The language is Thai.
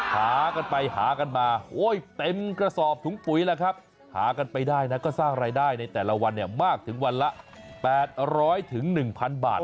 หากันไปหากันมาเต็มกระสอบถุงปุ๋ยแหละครับหากันไปได้ก็สร้างรายได้ในแต่ละวันมากถึงวันละ๘๐๐๑๐๐๐บาทเลยทีเดียวนะครับ